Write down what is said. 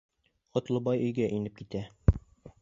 Ҡотлобай өйгә инеп китә.